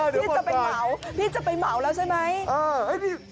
พี่จะไปเหมาพี่จะไปเหมาแล้วใช่ไหม